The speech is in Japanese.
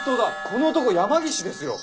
この男山岸ですよ。